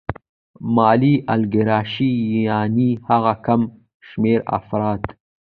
مالي الیګارشي یانې هغه کم شمېر افراد